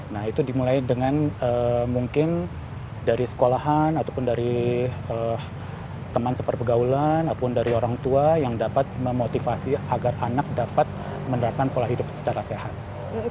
nah itu dimulai dengan mungkin dari sekolahan ataupun dari teman seperbegaulan ataupun dari orang tua yang dapat memotivasi agar anak dapat menerapkan pola hidup secara sehat